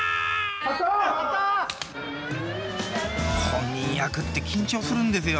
本人役って緊張するんですよ。